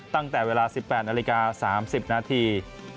ตั้งแต่เวลา๑๘นาฬิกา๓๐นาที